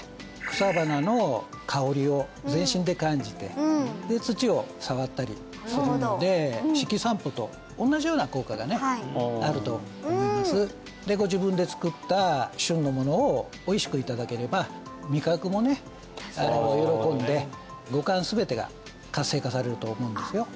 草花の香りを全身で感じてで土を触ったりするので四季散歩と同じような効果がねあると思いますでご自分で作った旬のものをおいしくいただければ味覚もね喜んで五感全てが活性化されると思うんですよ